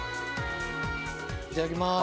いただきます。